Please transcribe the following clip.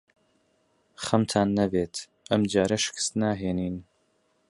خەمتان نەبێت. ئەم جارە شکست ناهێنین.